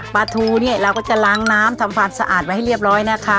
ปลาทูเนี่ยเราก็จะล้างน้ำทำความสะอาดไว้ให้เรียบร้อยนะคะ